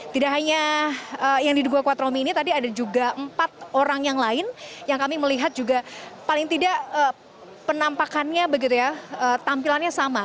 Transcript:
tidak hanya yang diduga kuat romi ini tadi ada juga empat orang yang lain yang kami melihat juga paling tidak penampakannya begitu ya tampilannya sama